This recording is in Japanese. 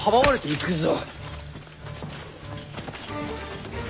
行くぞ。